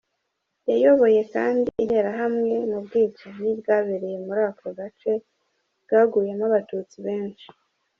Yayoboye kandi interahamwe mu bwicanyi bwabereye muri ako gace bwaguyemo abatutsi benshi.